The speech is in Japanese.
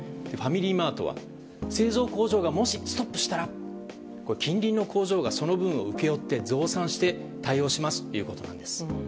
ファミリーマートは製造工場がもしストップしたら近隣の工場がその分を請け負って、増産して対応しますということなんです。